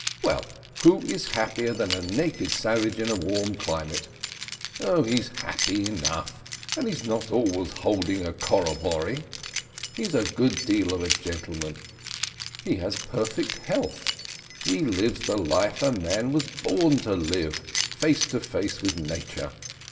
"Well, who is happier than a naked savage in a warm climate? Oh, he's happy enough, and he's not always holding a corroboree. He's a good deal of a gentleman; he has perfect health; he lives the life a man was born to live face to face with Nature.